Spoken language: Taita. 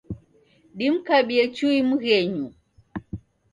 Dimkabie chui mghenyu.